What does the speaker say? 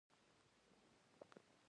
زما ګرمی خوښه ده